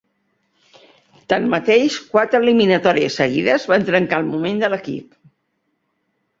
Tanmateix, quatre eliminatòries seguides van trencar el moment de l'equip.